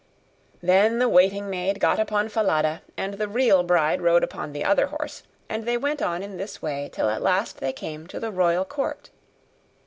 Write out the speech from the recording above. Then the waiting maid got upon Falada, and the real bride rode upon the other horse, and they went on in this way till at last they came to the royal court.